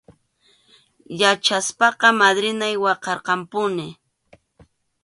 Yachaspaqa madrinay waqarqanpunim.